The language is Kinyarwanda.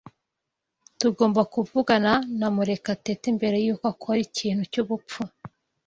Tugomba kuvugana na Murekatete mbere yuko akora ikintu cyubupfu.